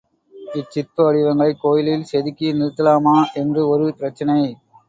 இச்சிற்ப வடிவங்களைக் கோயிலில் செதுக்கி நிறுத்தலாமா என்று ஒரு பிரச்சினை.